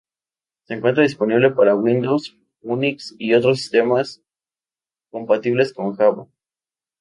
Se encuentra disponible para Windows, Unix y otros sistemas compatibles con Java.